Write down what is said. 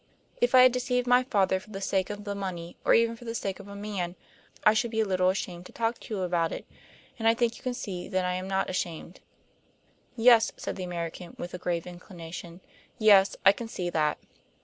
If I had deceived my father for the sake of the money, or even for the sake of a man, I should be a little ashamed to talk to you about it. And I think you can see that I am not ashamed." "Yes," said the American, with a grave inclination, "yes, I can see that."